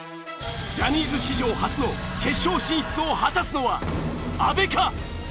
ジャニーズ史上初の決勝進出を果たすのは阿部か？